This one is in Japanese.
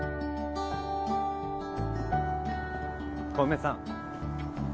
小梅さん